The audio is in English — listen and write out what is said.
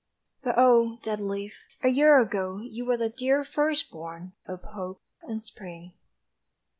But O Dead leaf, a year ago You were the dear first born Of Hope and Spring!